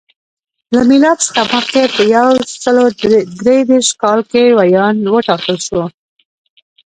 له میلاد څخه مخکې په یو سل درې دېرش کال کې ویاند وټاکل شو.